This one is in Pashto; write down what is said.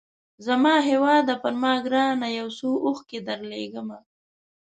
زما هیواده پر ما ګرانه یو څو اوښکي درلېږمه